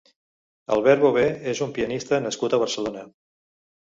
Albert Bover és un pianista nascut a Barcelona.